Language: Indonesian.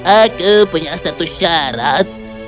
aku punya satu syarat